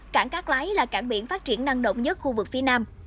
cảng cát lái là cảng biển phát triển năng động nhất khu vực phía nam